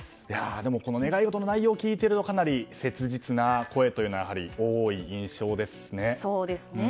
でも、願い事の内容を聞いているとかなり切実な声というのが多い印象ですね。